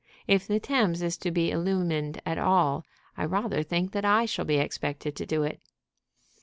If the Thames is to be illumined at all, I rather think that I shall be expected to do it.